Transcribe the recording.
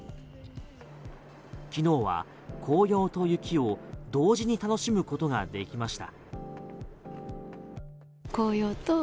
昨日は紅葉と雪を同時に楽しむことができました。